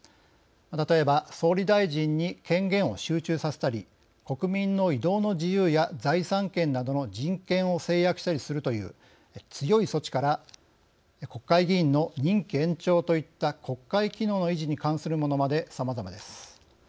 例えば総理大臣に権限を集中させたり国民の「移動の自由」や財産権などの人権を制約したりするという強い措置から国会議員の任期延長といった国会機能の維持に関するものまでさまざまです。